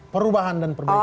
perubahan dan perbebasan